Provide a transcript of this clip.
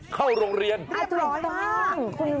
เข้าโรงเรียนโสดนะ